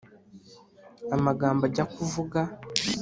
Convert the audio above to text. amagambo ajya kuvuga